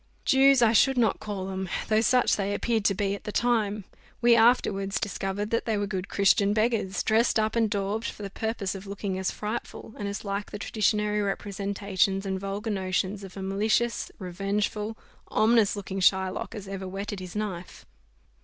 Jews I should not call them; though such they appeared to be at the time: we afterwards discovered that they were good Christian beggars, dressed up and daubed, for the purpose of looking as frightful, and as like the traditionary representations and vulgar notions of a malicious, revengeful, ominous looking Shylock as ever whetted his knife.